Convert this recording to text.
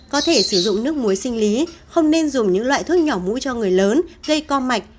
có thể sử dụng nước muối sinh lý không nên dùng những loại thuốc nhỏ mũi cho người lớn gây com mạch